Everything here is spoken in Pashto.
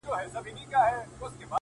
زه ومه ويده اكثر ـ